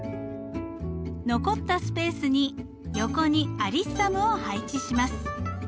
残ったスペースに横にアリッサムを配置します。